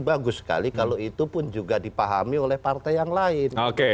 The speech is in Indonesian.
bagus sekali kalau itu pun juga dipahami oleh partai yang lain